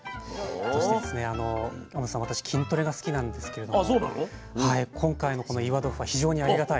そして天野さん私筋トレが好きなんですけれども今回のこの岩豆腐は非常にありがたい。